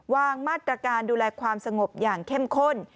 วางมาตรการดูแลความสงบอย่างเข้มข้น